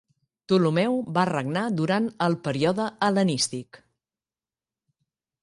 Ptolemeu va regnar durant el període hel·lenístic.